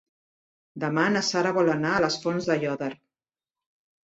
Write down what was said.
Demà na Sara vol anar a les Fonts d'Aiòder.